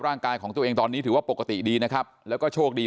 ร่างกายของตัวเองตอนนี้ถือว่าปกติดีนะครับแล้วก็โชคดี